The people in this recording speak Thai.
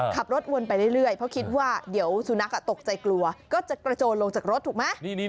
ขับรถวนไปเรื่อยเพราะคิดว่าเดี๋ยวสุนัขตกใจกลัวก็จะกระโจนลงจากรถถูกไหม